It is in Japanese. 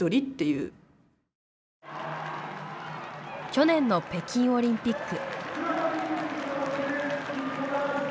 去年の北京オリンピック。